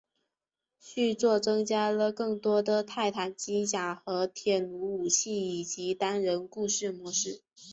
续作增加了更多的泰坦机甲和铁驭武器以及单人故事模式。